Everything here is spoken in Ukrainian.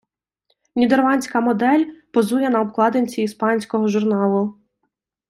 Нідерландська модель позує на обкладинці іспанського журналу.